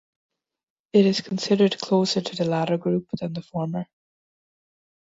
It is considered closer to the latter group than the former.